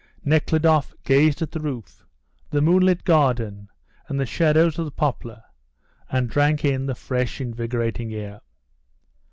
Nekhludoff gazed at the roof, the moonlit garden, and the shadows of the poplar, and drank in the fresh, invigorating air.